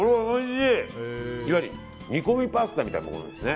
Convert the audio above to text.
いわゆる煮込みパスタみたいなことですね。